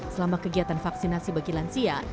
selama kegiatan vaksinasi bagi lansia